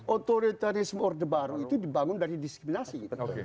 otoritarisme orde baru itu dibangun dari diskriminasi